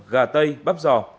gà tây bắp giò